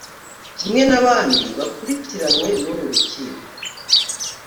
Kimwe n’abandi bakurikiranywe n’uru rukiko